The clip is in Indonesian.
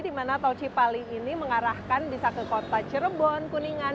dimana tol cipali ini mengarahkan bisa ke kota cirebon kuningan